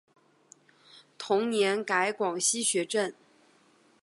同年改广西学政。